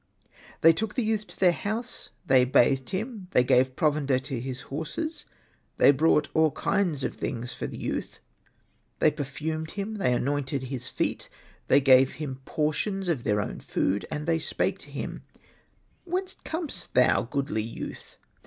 They took the youth to their house, they bathed him, they gave provender to his horses, they brought all kinds of things for the youth, they per fumed him, they anointed his feet, they gave him portions of their own food ; and they spake to him, '^Whence comest thou, goodly youth